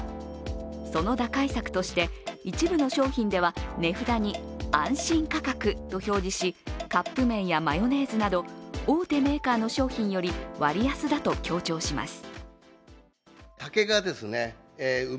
その打開策として一部の商品では値札に安心価格と表示しカップ麺やマヨネーズなど大手メーカーの商品より割安だと強調します。